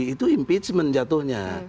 itu impeachment jatuhnya